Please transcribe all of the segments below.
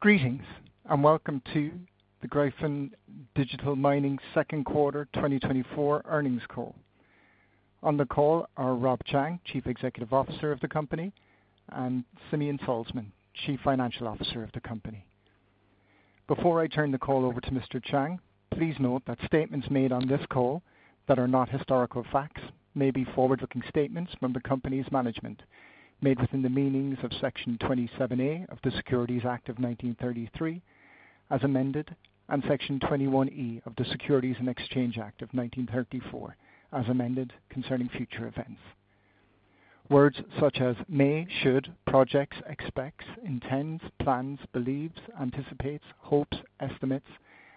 Greetings, and welcome to the Gryphon Digital Mining Second Quarter 2024 Earnings Call. On the call are Rob Chang, Chief Executive Officer of the company, and Simeon Salzman, Chief Financial Officer of the company. Before I turn the call over to Mr. Chang, please note that statements made on this call that are not historical facts may be forward-looking statements from the company's management, made within the meanings of Section 27A of the Securities Act of 1933, as amended, and Section 21E of the Securities and Exchange Act of 1934, as amended, concerning future events. Words such as may, should, projects, expects, intends, plans, believes, anticipates, hopes, estimates,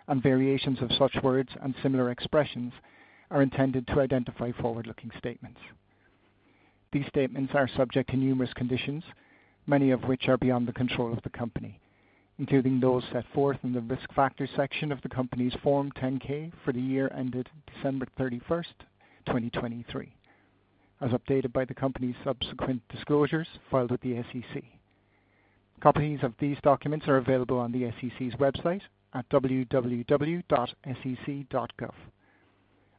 and variations of such words and similar expressions are intended to identify forward-looking statements. These statements are subject to numerous conditions, many of which are beyond the control of the company, including those set forth in the Risk Factors section of the company's Form 10-K for the year ended December 31, 2023, as updated by the company's subsequent disclosures filed with the SEC. Copies of these documents are available on the SEC's website at www.sec.gov.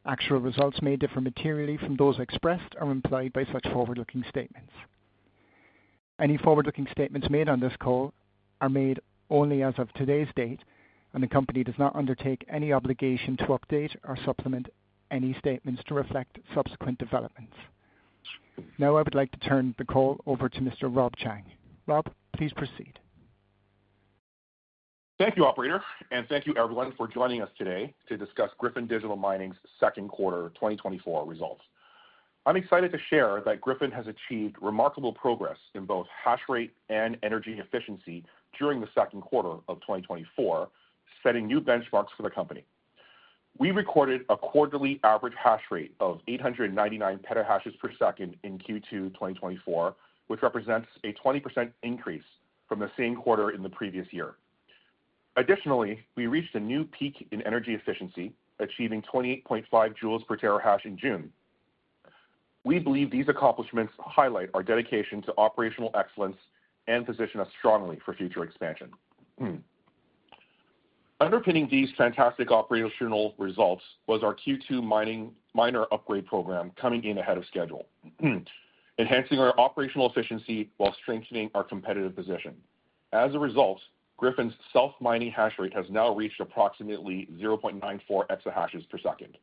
Actual results may differ materially from those expressed or implied by such forward-looking statements. Any forward-looking statements made on this call are made only as of today's date, and the company does not undertake any obligation to update or supplement any statements to reflect subsequent developments. Now, I would like to turn the call over to Mr. Rob Chang. Rob, please proceed. Thank you, operator, and thank you everyone for joining us today to discuss Gryphon Digital Mining's second quarter 2024 results. I'm excited to share that Gryphon has achieved remarkable progress in both hash rate and energy efficiency during the second quarter of 2024, setting new benchmarks for the company. We recorded a quarterly average hash rate of 899 PH/s in Q2 2024, which represents a 20% increase from the same quarter in the previous year. Additionally, we reached a new peak in energy efficiency, achieving 28.5 J/TH in June. We believe these accomplishments highlight our dedication to operational excellence and position us strongly for future expansion. Underpinning these fantastic operational results was our Q2 miner upgrade program coming in ahead of schedule, enhancing our operational efficiency while strengthening our competitive position. As a result, Gryphon's self-mining hash rate has now reached approximately 0.94 exahashes per second.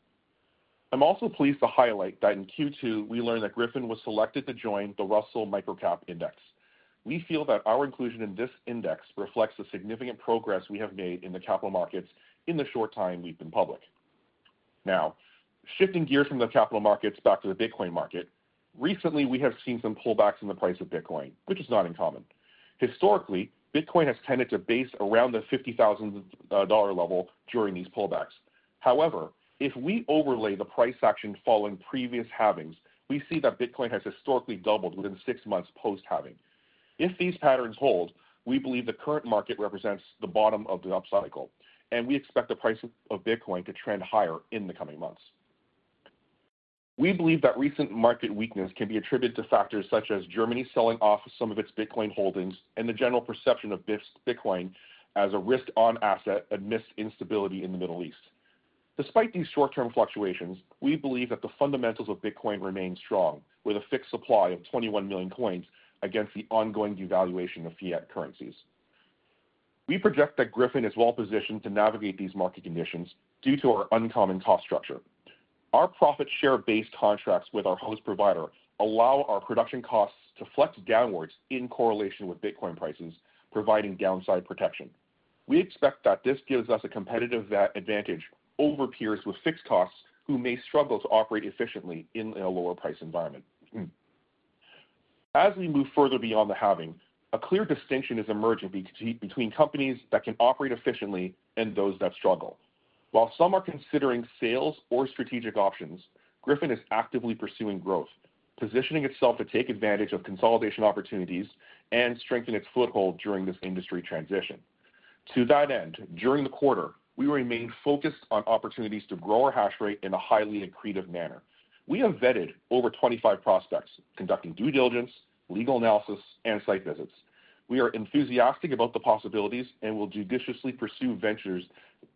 I'm also pleased to highlight that in Q2, we learned that Gryphon was selected to join the Russell Microcap Index. We feel that our inclusion in this index reflects the significant progress we have made in the capital markets in the short time we've been public. Now, shifting gears from the capital markets back to the Bitcoin market, recently, we have seen some pullbacks in the price of Bitcoin, which is not uncommon. Historically, Bitcoin has tended to base around the $50,000 level during these pullbacks. However, if we overlay the price action following previous halvings, we see that Bitcoin has historically doubled within six months post-halving. If these patterns hold, we believe the current market represents the bottom of the upcycle, and we expect the price of Bitcoin to trend higher in the coming months. We believe that recent market weakness can be attributed to factors such as Germany selling off some of its Bitcoin holdings and the general perception of Bitcoin as a risk-on asset amidst instability in the Middle East. Despite these short-term fluctuations, we believe that the fundamentals of Bitcoin remain strong, with a fixed supply of 21 million coins against the ongoing devaluation of fiat currencies. We project that Gryphon is well positioned to navigate these market conditions due to our uncommon cost structure. Our profit share-based contracts with our host provider allow our production costs to flex downwards in correlation with Bitcoin prices, providing downside protection. We expect that this gives us a competitive advantage over peers with fixed costs, who may struggle to operate efficiently in a lower price environment. As we move further beyond the halving, a clear distinction is emerging between companies that can operate efficiently and those that struggle. While some are considering sales or strategic options, Gryphon is actively pursuing growth, positioning itself to take advantage of consolidation opportunities and strengthen its foothold during this industry transition. To that end, during the quarter, we remained focused on opportunities to grow our hash rate in a highly accretive manner. We have vetted over 25 prospects, conducting due diligence, legal analysis, and site visits. We are enthusiastic about the possibilities and will judiciously pursue ventures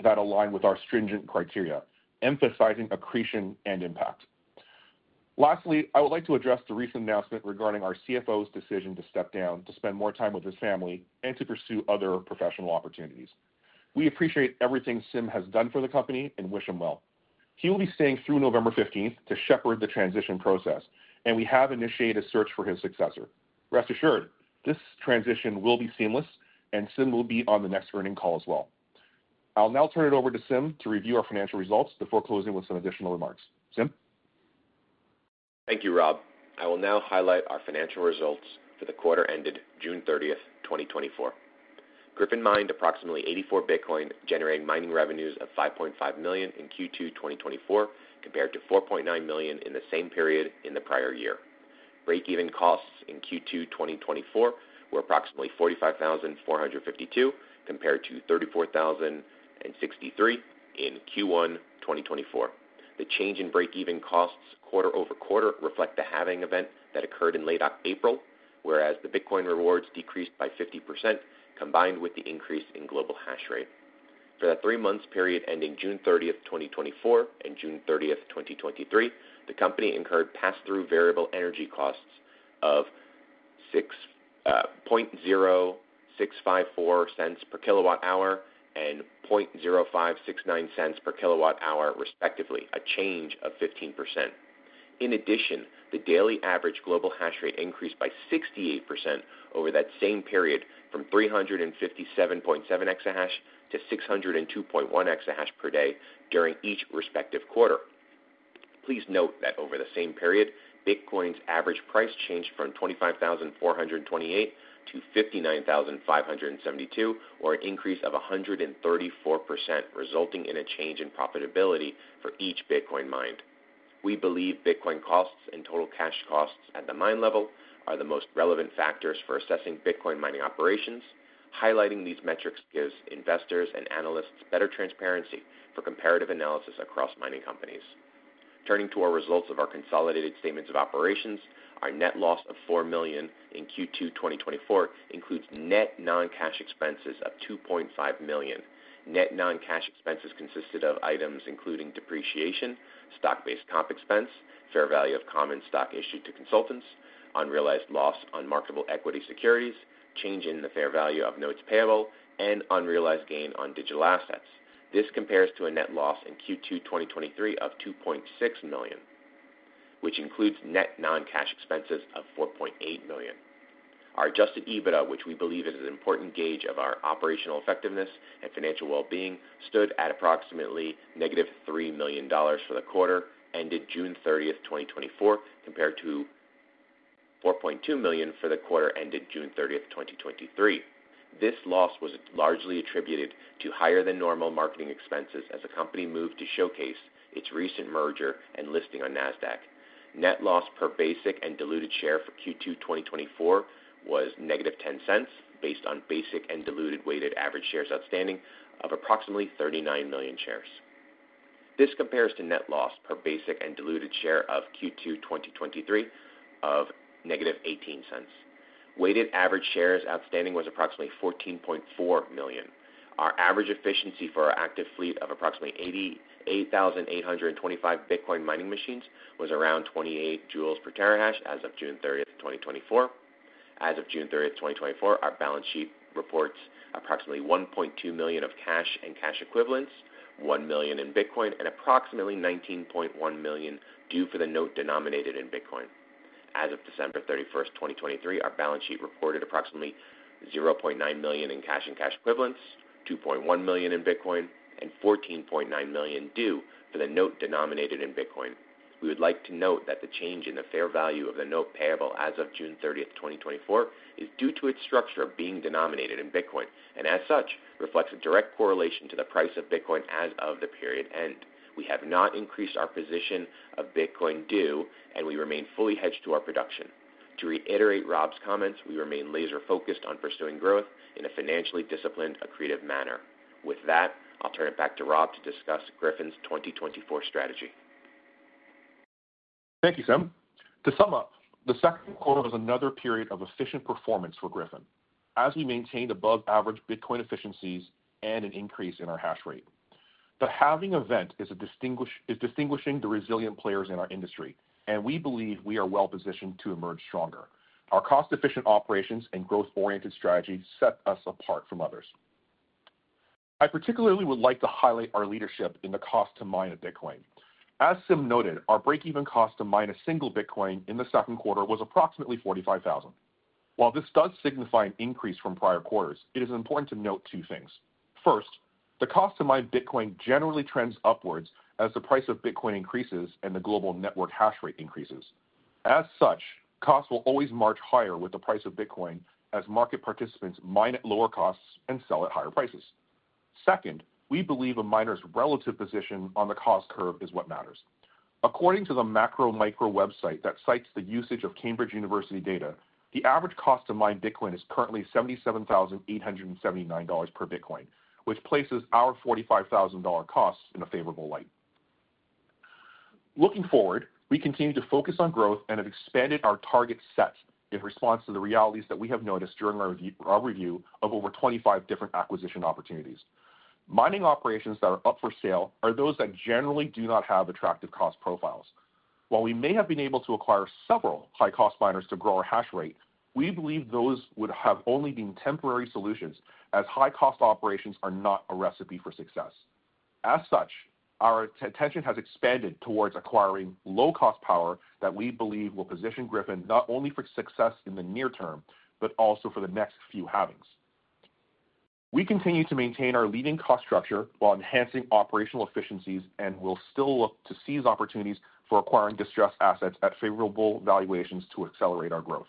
that align with our stringent criteria, emphasizing accretion and impact. Lastly, I would like to address the recent announcement regarding our CFO's decision to step down to spend more time with his family and to pursue other professional opportunities. We appreciate everything Sim has done for the company and wish him well. He will be staying through November fifteenth to shepherd the transition process, and we have initiated a search for his successor. Rest assured, this transition will be seamless, and Sim will be on the next earnings call as well. I'll now turn it over to Sim to review our financial results before closing with some additional remarks. Sim? Thank you, Rob. I will now highlight our financial results for the quarter ended June 30, 2024. Gryphon mined approximately 84 Bitcoin, generating mining revenues of $5.5 million in Q2 2024, compared to $4.9 million in the same period in the prior year. Breakeven costs in Q2 2024 were approximately $45,452, compared to $34,063 in Q1 2024. The change in break-even costs quarter-over-quarter reflect the halving event that occurred in late April, whereas the Bitcoin rewards decreased by 50%, combined with the increase in global hash rate. For that three months period ending June 30, 2024, and June 30, 2023, the company incurred pass-through variable energy costs of $0.060654 per kWh and $0.000569 per kWh, respectively, a change of 15%. In addition, the daily average global hash rate increased by 68% over that same period, from 357.7 exahash to 602.1 exahash per day during each respective quarter. Please note that over the same period, Bitcoin's average price changed from $25,428 to $59,572, or an increase of 134%, resulting in a change in profitability for each Bitcoin mined. We believe Bitcoin costs and total cash costs at the mine level are the most relevant factors for assessing Bitcoin mining operations. Highlighting these metrics gives investors and analysts better transparency for comparative analysis across mining companies. Turning to our results of our consolidated statements of operations, our net loss of $4 million in Q2 2024 includes net non-cash expenses of $2.5 million. Net non-cash expenses consisted of items including depreciation, stock-based comp expense, fair value of common stock issued to consultants, unrealized loss on marketable equity securities, change in the fair value of notes payable, and unrealized gain on digital assets. This compares to a net loss in Q2 2023 of $2.6 million, which includes net non-cash expenses of $4.8 million. Our adjusted EBITDA, which we believe is an important gauge of our operational effectiveness and financial well-being, stood at approximately -$3 million for the quarter ended June 30, 2024, compared to $4.2 million for the quarter ended June 30, 2023. This loss was largely attributed to higher than normal marketing expenses as the company moved to showcase its recent merger and listing on Nasdaq. Net loss per basic and diluted share for Q2 2024 was -$0.10, based on basic and diluted weighted average shares outstanding of approximately 39 million shares. This compares to net loss per basic and diluted share of Q2 2023 of -$0.18. Weighted average shares outstanding was approximately 14.4 million. Our average efficiency for our active fleet of approximately 88,825 Bitcoin mining machines was around 28 J/TH as of June 30, 2024. As of June 30, 2024, our balance sheet reports approximately $1.2 million of cash and cash equivalents, $1 million in Bitcoin, and approximately $19.1 million due for the note denominated in Bitcoin. As of December 31, 2023, our balance sheet reported approximately $0.9 million in cash and cash equivalents, $2.1 million in Bitcoin, and $14.9 million due for the note denominated in Bitcoin. We would like to note that the change in the fair value of the note payable as of June 30th, 2024, is due to its structure being denominated in Bitcoin, and as such, reflects a direct correlation to the price of Bitcoin as of the period end. We have not increased our position of Bitcoin due, and we remain fully hedged to our production. To reiterate Rob's comments, we remain laser-focused on pursuing growth in a financially disciplined, accretive manner. With that, I'll turn it back to Rob to discuss Gryphon's 2024 strategy. Thank you, Sim. To sum up, the second quarter was another period of efficient performance for Gryphon, as we maintained above average Bitcoin efficiencies and an increase in our hash rate. The halving event is distinguishing the resilient players in our industry, and we believe we are well positioned to emerge stronger. Our cost-efficient operations and growth-oriented strategy set us apart from others. I particularly would like to highlight our leadership in the cost to mine a Bitcoin. As Sim noted, our break-even cost to mine a single Bitcoin in the second quarter was approximately $45,000. While this does signify an increase from prior quarters, it is important to note two things. First, the cost to mine Bitcoin generally trends upwards as the price of Bitcoin increases and the global network hash rate increases. As such, costs will always march higher with the price of Bitcoin as market participants mine at lower costs and sell at higher prices. Second, we believe a miner's relative position on the cost curve is what matters. According to the MacroMicro website that cites the usage of Cambridge University data, the average cost to mine Bitcoin is currently $77,878 per Bitcoin, which places our $45,000 cost in a favorable light. Looking forward, we continue to focus on growth and have expanded our target set in response to the realities that we have noticed during our review of over 25 different acquisition opportunities. Mining operations that are up for sale are those that generally do not have attractive cost profiles. While we may have been able to acquire several high-cost miners to grow our hash rate, we believe those would have only been temporary solutions, as high-cost operations are not a recipe for success. As such, our attention has expanded towards acquiring low-cost power that we believe will position Gryphon not only for success in the near term, but also for the next few halvings. We continue to maintain our leading cost structure while enhancing operational efficiencies, and we'll still look to seize opportunities for acquiring distressed assets at favorable valuations to accelerate our growth.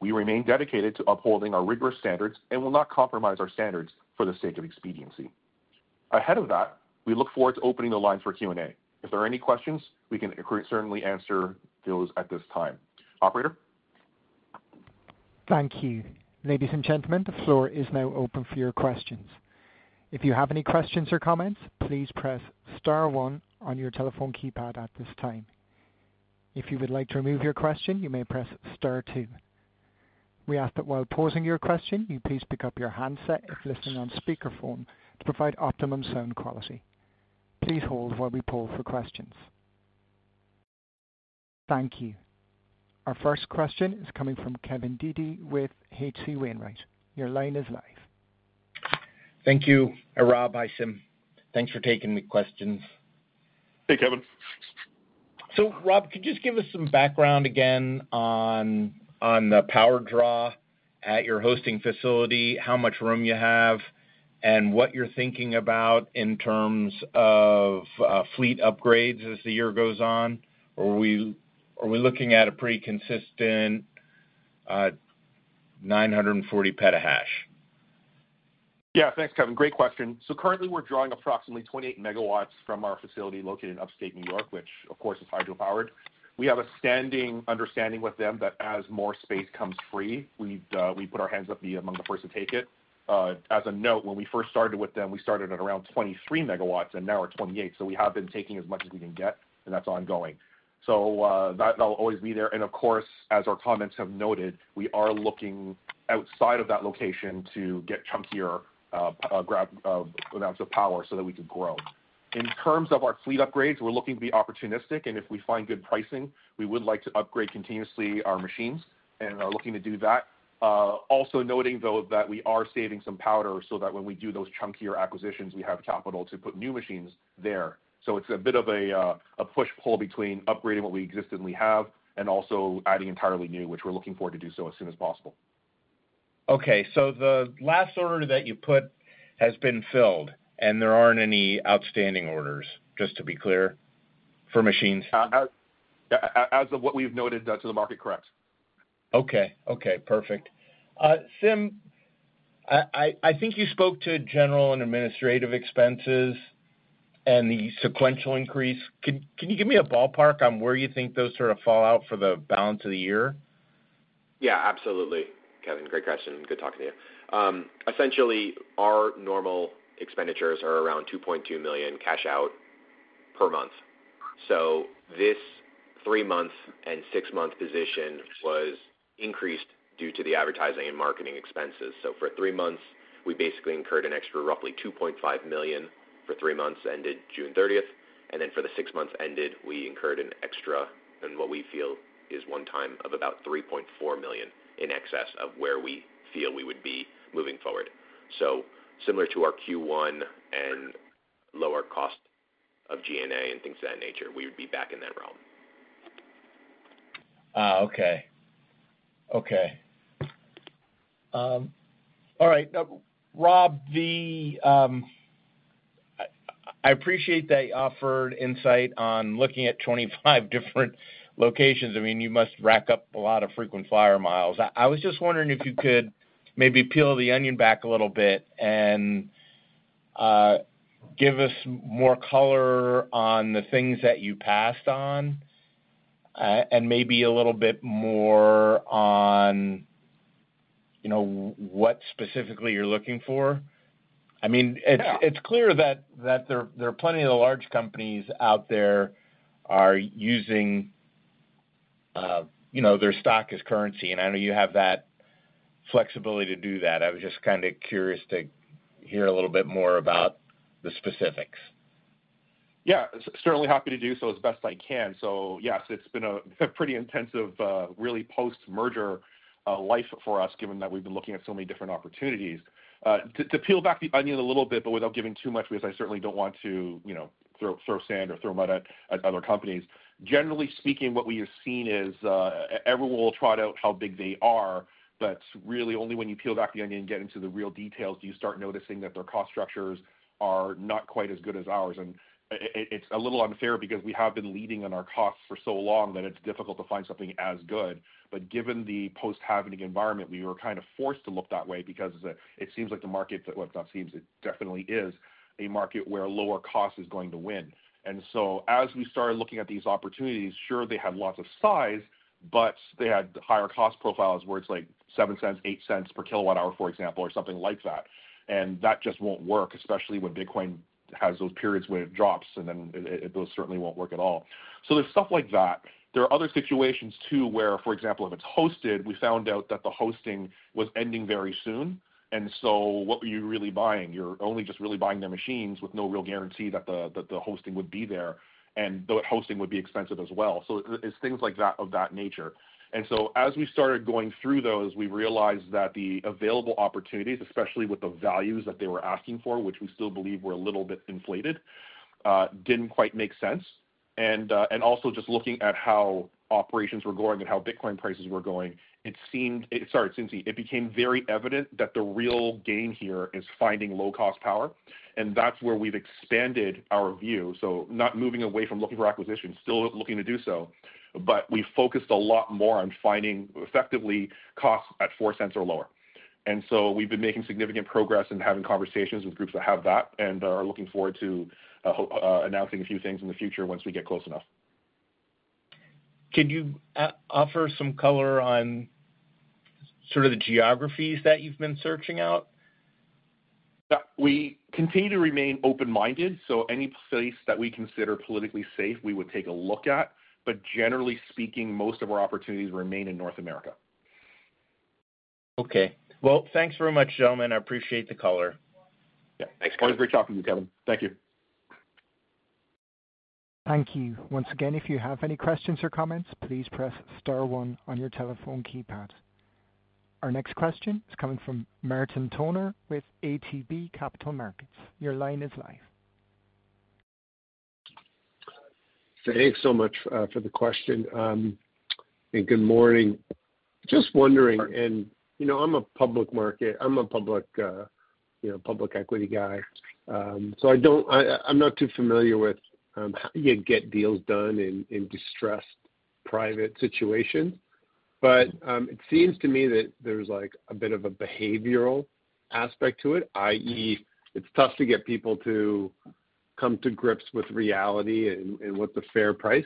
We remain dedicated to upholding our rigorous standards and will not compromise our standards for the sake of expediency. Ahead of that, we look forward to opening the line for Q&A. If there are any questions, we can certainly answer those at this time. Operator? Thank you. Ladies and gentlemen, the floor is now open for your questions. If you have any questions or comments, please press star one on your telephone keypad at this time. If you would like to remove your question, you may press star two. We ask that while posing your question, you please pick up your handset if listening on speakerphone to provide optimum sound quality. Please hold while we poll for questions. Thank you. Our first question is coming from Kevin Dede with H.C. Wainwright. Your line is live. Thank you, Rob. Hi, Sim. Thanks for taking the questions. Hey, Kevin. So Rob, could you just give us some background again on the power draw at your hosting facility, how much room you have, and what you're thinking about in terms of fleet upgrades as the year goes on? Or are we looking at a pretty consistent 940 petahash? Yeah. Thanks, Kevin. Great question. So currently we're drawing approximately 28 megawatts from our facility located in Upstate New York, which of course, is hydropowered. We have a standing understanding with them that as more space comes free, we put our hands up to be among the first to take it. As a note, when we first started with them, we started at around 23 megawatts, and now we're 28, so we have been taking as much as we can get, and that's ongoing. So, that'll always be there. And of course, as our comments have noted, we are looking outside of that location to get chunkier amounts of power so that we can grow. In terms of our fleet upgrades, we're looking to be opportunistic, and if we find good pricing, we would like to upgrade continuously our machines and are looking to do that. Also noting, though, that we are saving some powder so that when we do those chunkier acquisitions, we have capital to put new machines there. So it's a bit of a, a push-pull between upgrading what we exist and we have, and also adding entirely new, which we're looking forward to do so as soon as possible. Okay. So the last order that you put has been filled, and there aren't any outstanding orders, just to be clear, for machines? As of what we've noted to the market, correct. Okay. Okay, perfect. Sim, I think you spoke to general and administrative expenses and the sequential increase. Can you give me a ballpark on where you think those sort of fall out for the balance of the year? Yeah, absolutely, Kevin. Great question. Good talking to you. Essentially, our normal expenditures are around $2.2 million cash out per month. So this three-month and six-month position was increased due to the advertising and marketing expenses. So for three months, we basically incurred an extra roughly $2.5 million for three months ended June 30th, and then for the six months ended, we incurred an extra, and what we feel is one time, of about $3.4 million in excess of where we feel we would be moving forward. So similar to our Q1 and lower cost of G&A and things of that nature, we would be back in that realm. Ah, okay. Okay. All right. Now, Rob, I appreciate that you offered insight on looking at 25 different locations. I mean, you must rack up a lot of frequent flyer miles. I was just wondering if you could maybe peel the onion back a little bit and give us more color on the things that you passed on, and maybe a little bit more on, you know, what specifically you're looking for. I mean, it's— Yeah. It's clear that there are plenty of the large companies out there using, you know, their stock as currency, and I know you have that flexibility to do that. I was just kinda curious to hear a little bit more about the specifics. Yeah. Certainly happy to do so as best I can. So yes, it's been a pretty intensive, really post-merger life for us, given that we've been looking at so many different opportunities. To peel back the onion a little bit, but without giving too much, because I certainly don't want to, you know, throw sand or throw mud at other companies. Generally speaking, what we have seen is, everyone will trot out how big they are, but really only when you peel back the onion and get into the real details, do you start noticing that their cost structures are not quite as good as ours. And it's a little unfair because we have been leading on our costs for so long that it's difficult to find something as good. But given the post-halving environment, we were kind of forced to look that way because it seems like the market, well, not seems, it definitely is a market where lower cost is going to win. And so as we started looking at these opportunities, sure, they had lots of size, but they had higher cost profiles where it's like $0.07/kWh to $0.08/kWh, for example, or something like that. And that just won't work, especially when Bitcoin has those periods where it drops, and then it those certainly won't work at all. So there's stuff like that. There are other situations too, where, for example, if it's hosted, we found out that the hosting was ending very soon, and so what were you really buying? You're only just really buying their machines with no real guarantee that the, that the hosting would be there, and the hosting would be expensive as well. So it's things like that, of that nature. And so as we started going through those, we realized that the available opportunities, especially with the values that they were asking for, which we still believe were a little bit inflated, didn't quite make sense. And, and also just looking at how operations were going and how Bitcoin prices were going, it seemed—sorry, it seems it became very evident that the real gain here is finding low-cost power, and that's where we've expanded our view. So not moving away from looking for acquisitions, still looking to do so, but we focused a lot more on finding effectively costs at $0.04 or lower. So we've been making significant progress and having conversations with groups that have that and are looking forward to announcing a few things in the future once we get close enough. Can you offer some color on sort of the geographies that you've been searching out? Yeah, we continue to remain open-minded, so any place that we consider politically safe, we would take a look at. But generally speaking, most of our opportunities remain in North America. Okay. Well, thanks very much, gentlemen. I appreciate the color. Yeah. Thanks, Kevin. Always great talking to you, Kevin. Thank you. Thank you. Once again, if you have any questions or comments, please press star one on your telephone keypad. Our next question is coming from Martin Toner with ATB Capital Markets. Your line is live. Thanks so much for the question, and good morning. Just wondering, and, you know, I'm a public market—I'm a public, you know, public equity guy, so I don't—I, I'm not too familiar with how you get deals done in, in distressed private situations. But, it seems to me that there's, like, a bit of a behavioral aspect to it, i.e., it's tough to get people to come to grips with reality and, and what the fair price.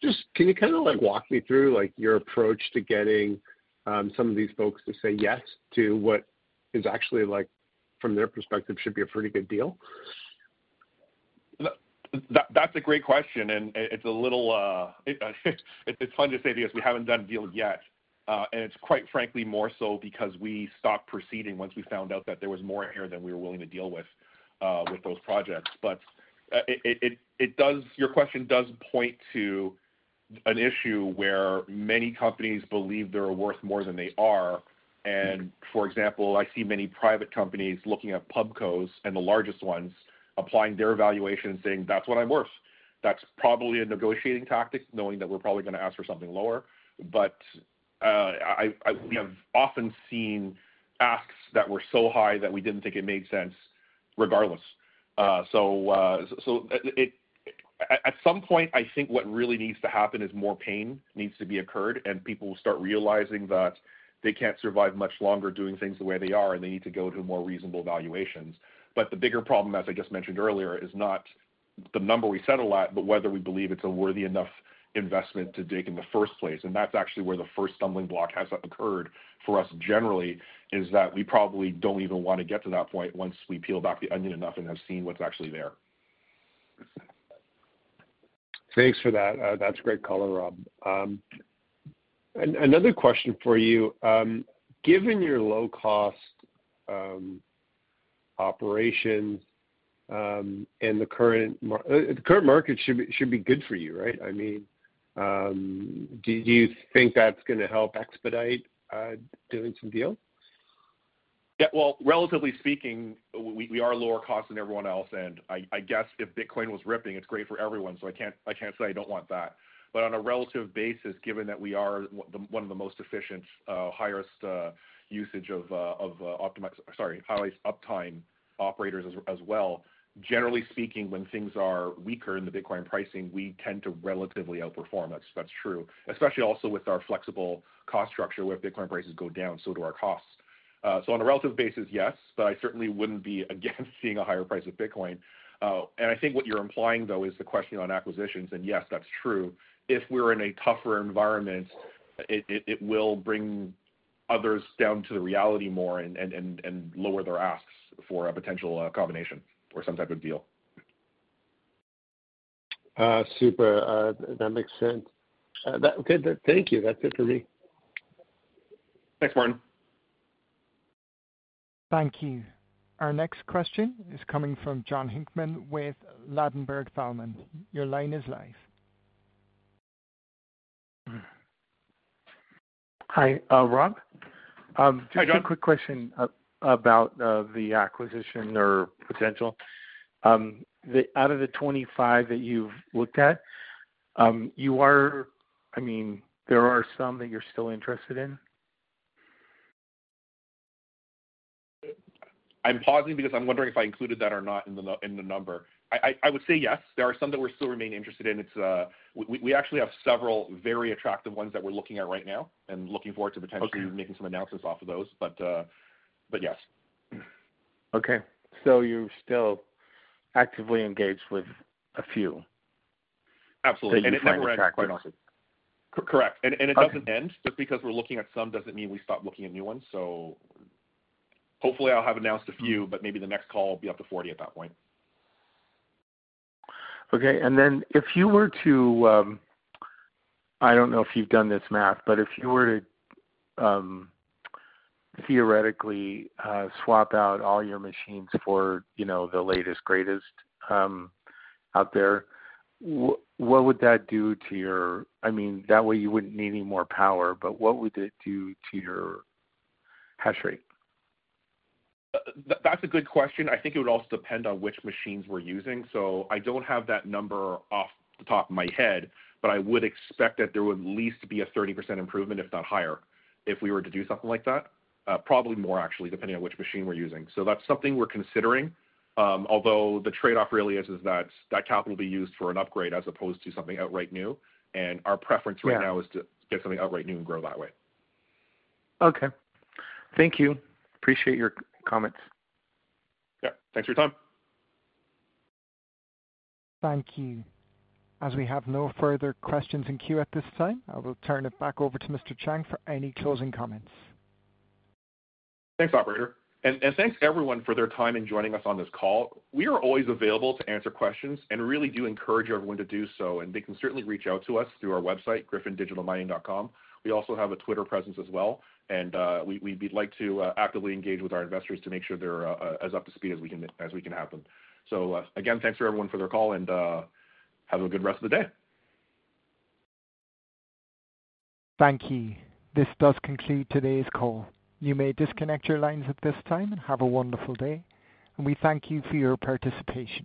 Just, can you kinda, like, walk me through, like, your approach to getting some of these folks to say yes to what is actually, like, from their perspective, should be a pretty good deal? That's a great question, and it's a little, it's fun to say because we haven't done a deal yet. And it's quite frankly more so because we stopped proceeding once we found out that there was more here than we were willing to deal with those projects. But your question does point to an issue where many companies believe they're worth more than they are. And, for example, I see many private companies looking at pubcos and the largest ones, applying their valuation and saying, "That's what I'm worth." That's probably a negotiating tactic, knowing that we're probably gonna ask for something lower. But we have often seen asks that were so high that we didn't think it made sense regardless. So it— At some point, I think what really needs to happen is more pain needs to be occurred, and people will start realizing that they can't survive much longer doing things the way they are, and they need to go to more reasonable valuations. But the bigger problem, as I just mentioned earlier, is not the number we settle at, but whether we believe it's a worthy enough investment to dig in the first place, and that's actually where the first stumbling block has occurred for us generally, is that we probably don't even wanna get to that point once we peel back the onion enough and have seen what's actually there. Thanks for that. That's great color, Rob. Another question for you. Given your low cost operation and the current market should be good for you, right? I mean, do you think that's gonna help expedite doing some deals? Yeah, well, relatively speaking, we are lower cost than everyone else, and I guess if Bitcoin was ripping, it's great for everyone, so I can't say I don't want that. But on a relative basis, given that we are the one of the most efficient, highest uptime operators as well, generally speaking, when things are weaker in the Bitcoin pricing, we tend to relatively outperform. That's true. Especially also with our flexible cost structure, where if Bitcoin prices go down, so do our costs. So on a relative basis, yes, but I certainly wouldn't be against seeing a higher price of Bitcoin. And I think what you're implying, though, is the question on acquisitions, and yes, that's true. If we're in a tougher environment, it will bring others down to the reality more and lower their asks for a potential combination or some type of deal. Super. That makes sense. Okay, thank you. That's it for me. Thanks, Martin. Thank you. Our next question is coming from Jon Hickman with Ladenburg Thalmann. Your line is live. Hi, Rob? Hi, John. Just a quick question about the acquisition or potential. Out of the 25 that you've looked at, you are—I mean, there are some that you're still interested in? I'm pausing because I'm wondering if I included that or not in the number. I would say yes, there are some that we're still remain interested in. It's we actually have several very attractive ones that we're looking at right now and looking forward to potentially— Okay. Making some announcements off of those, but, but yes. Okay. So you're still actively engaged with a few? Absolutely. That you find attractive. It never ends, quite honestly. Correct. Okay. And it doesn't end. Just because we're looking at some, doesn't mean we stop looking at new ones. So hopefully I'll have announced a few, but maybe the next call will be up to 40 at that point. Okay, and then if you were to, I don't know if you've done this math, but if you were to, theoretically, swap out all your machines for, you know, the latest, greatest, out there, what would that do to your, I mean, that way, you wouldn't need any more power, but what would it do to your hash rate? That's a good question. I think it would also depend on which machines we're using. So I don't have that number off the top of my head, but I would expect that there would at least be a 30% improvement, if not higher, if we were to do something like that. Probably more, actually, depending on which machine we're using. So that's something we're considering, although the trade-off really is that capital will be used for an upgrade as opposed to something outright new, and our preference right now— Yeah is to get something outright new and grow that way. Okay. Thank you. Appreciate your comments. Yeah. Thanks for your time. Thank you. As we have no further questions in queue at this time, I will turn it back over to Mr. Chang for any closing comments. Thanks, operator. And thanks everyone for their time in joining us on this call. We are always available to answer questions, and really do encourage everyone to do so, and they can certainly reach out to us through our website, gryphondigitalmining.com. We also have a Twitter presence as well, and we'd like to actively engage with our investors to make sure they're as up to speed as we can have them. So, again, thanks for everyone for their call, and have a good rest of the day. Thank you. This does conclude today's call. You may disconnect your lines at this time, and have a wonderful day, and we thank you for your participation.